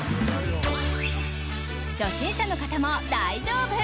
初心者の方も大丈夫。